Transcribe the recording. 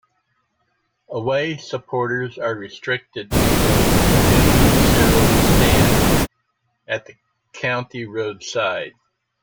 Away supporters are restricted to the Jimmy Sirrel stand, at the County Road side.